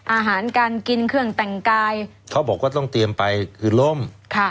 อาหารการกินเครื่องแต่งกายเขาบอกว่าต้องเตรียมไปคือล่มค่ะ